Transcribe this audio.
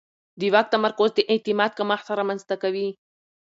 د واک تمرکز د اعتماد کمښت رامنځته کوي